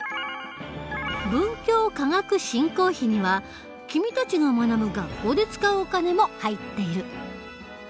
文教科学振興費には君たちが学ぶ学校で使うお金も入っている。